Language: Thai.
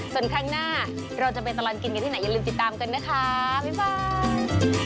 ส่วนครั้งหน้าเราจะไปตลอดกินกันที่ไหนอย่าลืมติดตามกันนะคะพี่ฟาง